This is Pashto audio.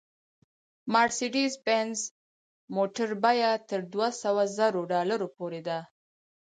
مارسېډیز بینز موټر بیه تر دوه سوه زرو ډالرو پورې ده